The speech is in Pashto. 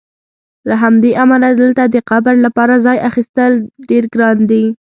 له همدې امله دلته د قبر لپاره ځای اخیستل ډېر ګران دي.